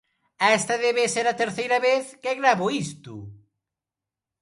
Esta debe ser a terceira vez que gravo isto.